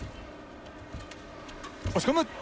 押し込む！